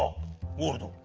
ゴールド。